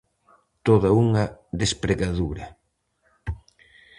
Toda unha despregadura.